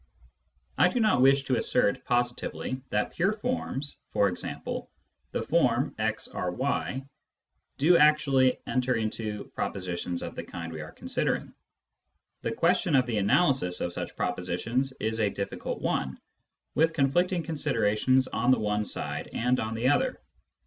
I do not wish to assert positively that pure forms — e.g. the form "arRy "— do actually enter into propositions of the kind we are considering. The question of the analysis of such pro positions is a difficult one, with conflicting considerations on the one side and on the other.